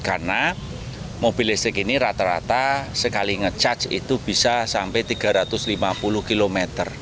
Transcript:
karena mobil listrik ini rata rata sekali nge charge itu bisa sampai tiga ratus lima puluh km